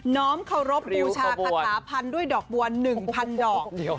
้อมเคารพบูชาคาถาพันธุ์ด้วยดอกบัว๑๐๐ดอก